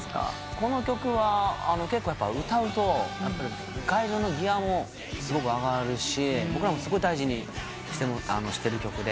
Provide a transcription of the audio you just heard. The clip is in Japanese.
この曲は歌うと会場のギアもすごく上がるし僕らもすごい大事にしてる曲で。